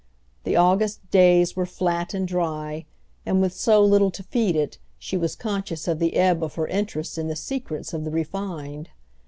The August days were flat and dry, and, with so little to feed it, she was conscious of the ebb of her interest in the secrets of the refined.